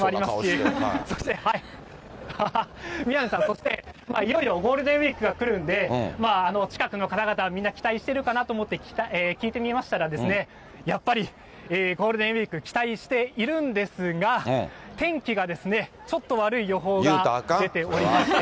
やな、宮根さん、そして、いよいよゴールデンウィークが来るんで、近くの方々はみんな、期待してるかなと思って聞いてみましたら、やっぱりゴールデンウィーク、期待しているんですが、天気がちょっと悪い予報が出ておりまして。